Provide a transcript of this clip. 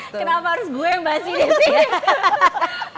kenapa harus gue yang bahas ini sih